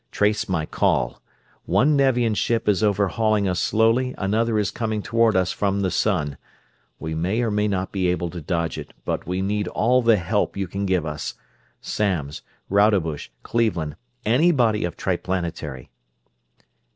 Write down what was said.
Trace my call. One Nevian ship is overhauling us slowly, another is coming toward us from the sun. We may or may not be able to dodge it, but we need all the help you can give us. Samms Rodebush Cleveland anybody of Triplanetary...."